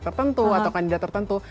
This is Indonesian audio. tertentu atau kandidat tertentu